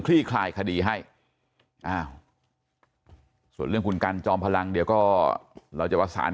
คลายคดีให้อ้าวส่วนเรื่องคุณกันจอมพลังเดี๋ยวก็เราจะประสาน